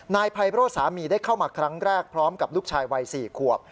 นายไพโรธสามีได้เข้ามาครั้งแรกพร้อมกับลูกชายวัย๔ขวบ